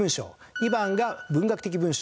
２番が文学的文章。